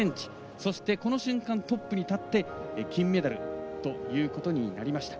そして、この瞬間トップに立って金メダルということになりました。